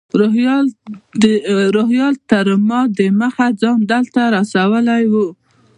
روهیال تر ما دمخه ځان دلته رارسولی و.